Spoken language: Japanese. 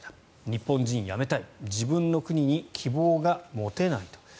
日本人やめたい自分の国に希望が持てないと。